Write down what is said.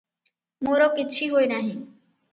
ମୋର କିଛି ହୋଇନାହିଁ ।